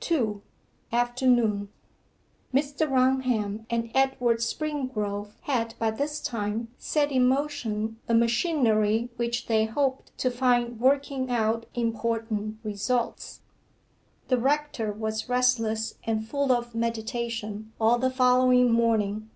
2. AFTERNOON Mr. Raunham and Edward Springrove had by this time set in motion a machinery which they hoped to find working out important results. The rector was restless and full of meditation all the following morning.